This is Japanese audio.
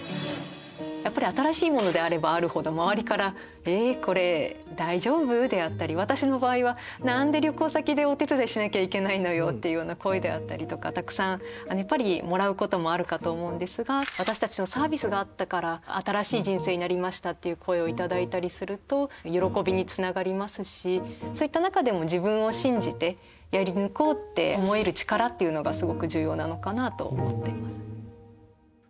やっぱり新しいものであればあるほど周りから「えこれだいじょうぶ？」であったり私の場合は「何で旅行先でお手伝いしなきゃいけないのよ」っていうような声であったりとかたくさんやっぱりもらうこともあるかと思うんですが私たちのサービスがあったから新しい人生になりましたっていう声を頂いたりすると喜びにつながりますしそういった中でも自分を信じてやりぬこうって思える力っていうのがすごく重要なのかなと思っています。